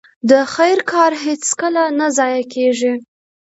د خير کار هيڅکله نه ضايع کېږي.